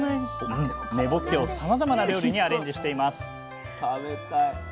根ぼっけをさまざまな料理にアレンジしています